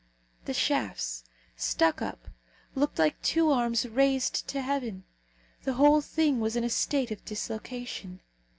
The shafts, stuck up, looked like two arms raised to heaven. The whole thing was in a state of dislocation.